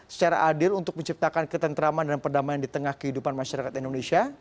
secara adil untuk menciptakan ketentraman dan perdamaian di tengah kehidupan masyarakat indonesia